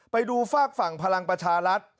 ไปดูฝากฝั่งพลังประชารัฐ